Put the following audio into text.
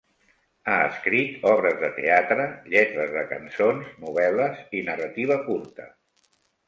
Ha escrit obres de teatre, lletres de cançons, novel·les i narrativa curta.